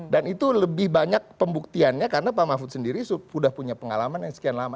dan itu lebih banyak pembuktiannya karena pak mahfud sendiri sudah punya pengalaman yang sekian lama